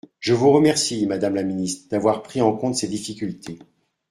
Je vous remercie, madame la ministre, d’avoir pris en compte ces difficultés.